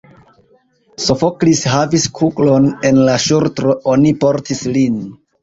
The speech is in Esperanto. Sofoklis havis kuglon en la ŝultro: oni portis lin.